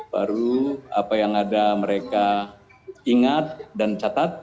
baru apa yang ada mereka ingat dan catat